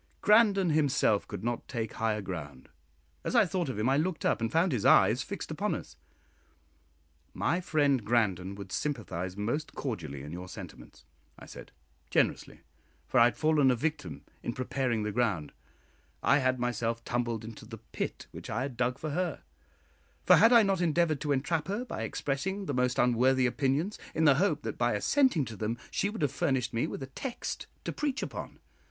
Grandon himself could not take higher ground; as I thought of him I looked up, and found his eyes fixed upon us. "My friend Grandon would sympathise most cordially in your sentiments," I said, generously; for I had fallen a victim in preparing the ground; I had myself tumbled into the pit which I had dug for her; for had I not endeavoured to entrap her by expressing the most unworthy opinions, in the hope that by assenting to them she would have furnished me with a text to preach upon?